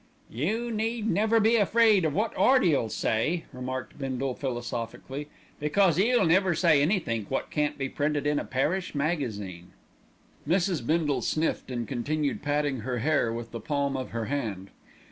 "You need never be afraid of what 'Earty'll say," remarked Bindle philosophically, "because 'e'll never say anythink wot can't be printed in a parish magazine." Mrs. Bindle sniffed and continued patting her hair with the palm of her hand.